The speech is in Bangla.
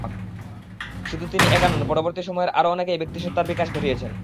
শুধু তিনি একা নন, পরবর্তী সময়ের আরও অনেকেই ব্যক্তিসত্তার বিকাশ ঘটিয়েছেন।